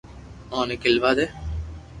اوني کھيلوا دي